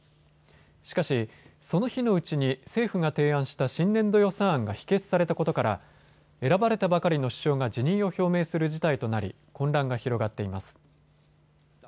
しかし、その日のうちに政府が提案した新年度予算案が否決されたことから選ばれたばかりの首相が辞任を表明する事態となり混乱が広がっています。